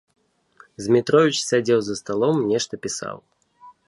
Змітровіч сядзеў за сталом, нешта пісаў.